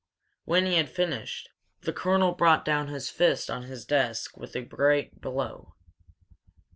When he had finished, the colonel brought down his fist on his desk with a great blow.